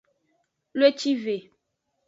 Wlecive.